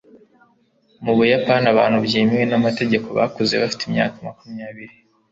mu buyapani, abantu byemewe n'amategeko bakuze bafite imyaka makumyabiri